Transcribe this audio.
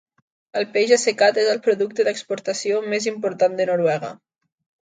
El peix assecat és el producte d'exportació més important de Noruega.